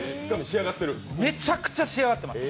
めちゃくちゃ仕上がってます。